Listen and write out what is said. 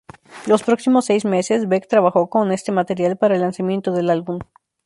Los próximos seis meses, Beck trabajó con este material para el lanzamiento del álbum.